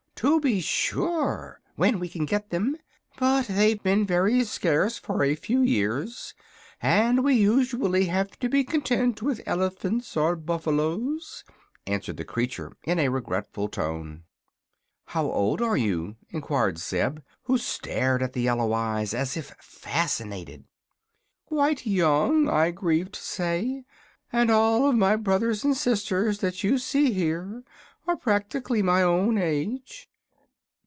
"To be sure, when we can get them. But they've been very scarce for a few years and we usually have to be content with elephants or buffaloes," answered the creature, in a regretful tone. "How old are you?" enquired Zeb, who stared at the yellow eyes as if fascinated. "Quite young, I grieve to say; and all of my brothers and sisters that you see here are practically my own age.